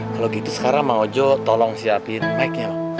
kalau gitu sekarang pak ojo tolong siapin mic nya